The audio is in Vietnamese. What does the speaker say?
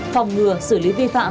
phòng ngừa xử lý vi phạm